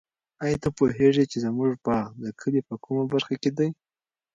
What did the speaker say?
آیا ته پوهېږې چې زموږ باغ د کلي په کومه برخه کې دی؟